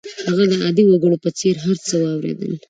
هغه د عادي وګړو په څېر هر څه واورېدل